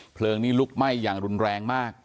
เพลิงนี้ลุกไหม้อย่างรุนแรงมาก